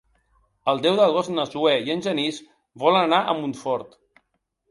El deu d'agost na Zoè i en Genís volen anar a Montfort.